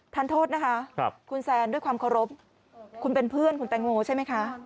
ท่านโทษนะคะคุณแซนด้วยความเคารพคุณเป็นเพื่อนคุณแตงโมใช่ไหมคะ